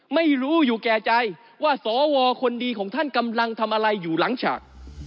ไม่รู้อยู่แก่ใจว่าสวคนดีของท่านกำลังทำอะไรอยู่หลังฉาก